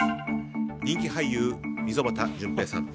人気俳優・溝端淳平さん。